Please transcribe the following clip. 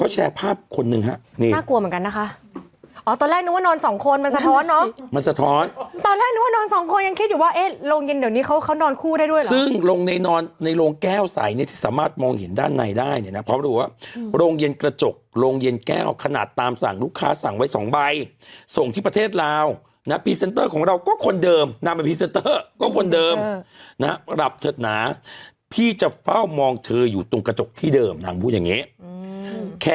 แชร์ภาพคนหนึ่งฮะนี่น่ากลัวเหมือนกันนะคะอ๋อตอนแรกนึงว่านอนสองคนมันสะท้อนเนอะมันสะท้อนตอนแรกนึงว่านอนสองคนยังคิดอยู่ว่าเอ๊ะโรงเย็นเดี๋ยวนี้เขาเขานอนคู่ได้ด้วยหรอซึ่งโรงในนอนในโรงแก้วใส่เนี่ยที่สามารถมองเห็นด้านในได้เนี่ยนะพร้อมรู้ว่าโรงเย็นกระจกโรงเย็นแก้วขนาดตามสั่งลูก